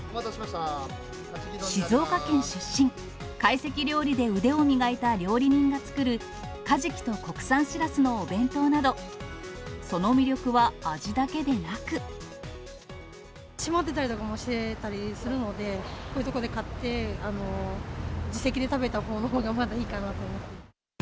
静岡県出身、懐石料理で腕を磨いた料理人が作る、カジキと国産シラスのお弁当など、閉まってたりとかもしてたりするので、こういう所で買って、自席で食べたほうのほうがまだいいかなと思って。